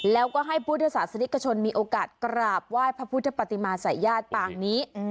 แล้วก็ให้พุทธศาสนิกชนมีโอกาสกราบไหว้พระพุทธปฏิมาศัยญาติปางนี้